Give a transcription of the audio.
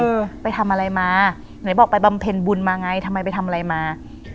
เออไปทำอะไรมาไหนบอกไปบำเพ็ญบุญมาไงทำไมไปทำอะไรมา